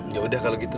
yaudah kalo gitu